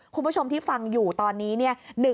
คุณผู้ชมที่ฟังอยู่ตอนนี้เนี่ย